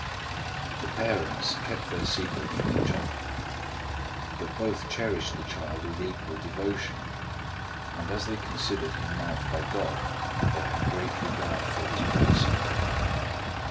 The parents kept their secret from each other. But both cherished the child with equal devotion, and as they considered him marked by God, they had great regard for his person.